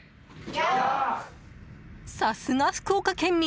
さすが福岡県民。